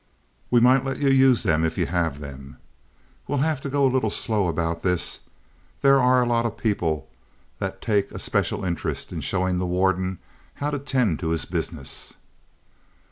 We might let you use them if you have them. We'll have to go a little slow about this. There are a lot of people that take a special interest in showing the warden how to tend to his business."